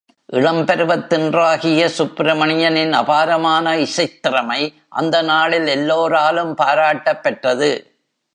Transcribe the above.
இளம்பருவத்தின்றாகிய சுப்பிரமணியனின் அபாரமான இசைத் திறமை அந்த நாளில் எல்லோராலும் பாராட்டப் பெற்றது.